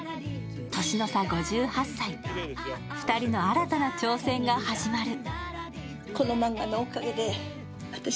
年の差５８歳、２人の新たな挑戦が始まる。